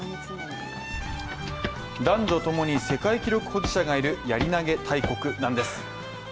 男女ともに世界記録保持者がいるやり投げ大国なんです